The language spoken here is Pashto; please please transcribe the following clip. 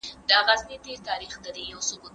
د سباناري پر وخت خوراک د هاضمې انډول ساتي.